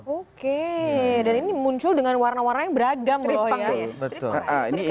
oke dan ini muncul dengan warna warna yang beragam gitu ya